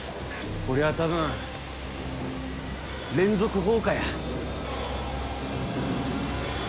こりゃ多分連続放火や。